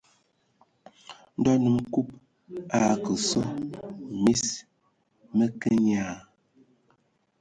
Ndɔ nnom Kub a kǝ sɔ, mis mǝ kǝǝ nye a.